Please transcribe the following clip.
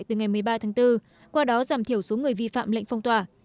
từ ngày một mươi ba tháng bốn qua đó giảm thiểu số người vi phạm lệnh phong tỏa